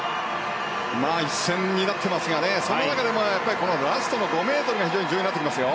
一線になってますがその中でもラストの５ｍが非常に重要になりますよ。